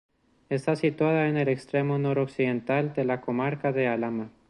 Está situada en el extremo noroccidental de la comarca de Alhama.